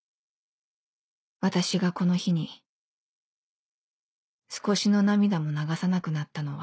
私がこの日に少しの涙も流さなくなったのは